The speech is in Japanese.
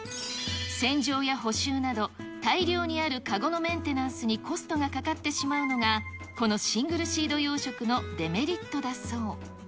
洗浄や補修など、大量にある籠のメンテナンスにコストがかかってしまうのが、このシングルシード養殖のデメリットだそう。